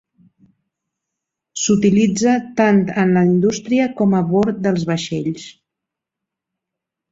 S'utilitza tant en la indústria com a bord dels vaixells.